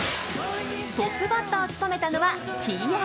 トップバッターを務めたのはＴＲＦ。